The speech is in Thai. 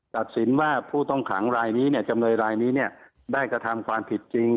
ตัดสินว่าผู้ต้องขังรายนี้จำเลยรายนี้ได้กระทำความผิดจริง